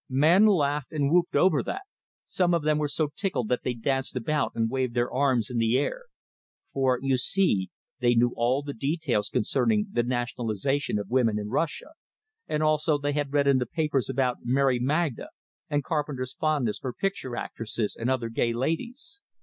Men laughed and whooped over that; some of them were so tickled that they danced about and waved their arms in the air. For, you see, they knew all the details concerning the "nationalization of women in Russia," and also they had read in the papers about Mary Magna, and Carpenter's fondness for picture actresses and other gay ladies.